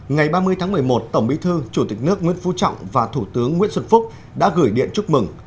ngày ba mươi tháng một mươi một tổng bí thư chủ tịch nước nguyễn phú trọng và thủ tướng nguyễn xuân phúc đã gửi điện chúc mừng